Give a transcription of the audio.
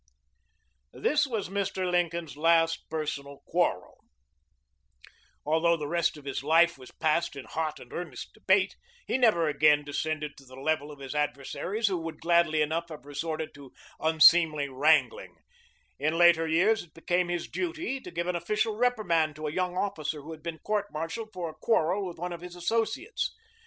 This was Mr. Lincoln's last personal quarrel. [Transcriber's Note: Lengthy footnote relocated to chapter end.] Although the rest of his life was passed in hot and earnest debate, he never again descended to the level of his adversaries, who would gladly enough have resorted to unseemly wrangling. In later years it became his duty to give an official reprimand to a young officer who had been court martialed for a quarrel with one of his associates.